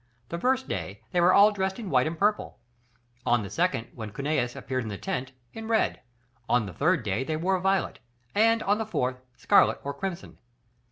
The first day they were all dressed in white and purple, on the second when Cunius appeared in the tent, in red, on the third day they wore violet, and on the fourth, scarlet, or crimson.